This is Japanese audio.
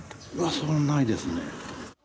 それはないですね。